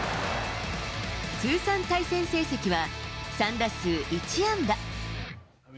通算対戦成績は３打数１安打。